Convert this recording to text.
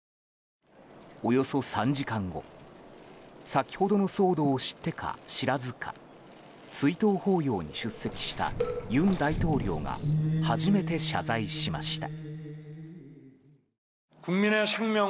およそ３時間後先ほどの騒動を知ってか知らずか追悼法要に出席した尹大統領が初めて謝罪しました。